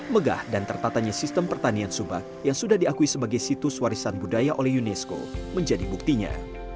megah dan tertatanya sistem pertanian subak yang sudah diakui sebagai situs warisan budaya oleh unesco menjadi buktinya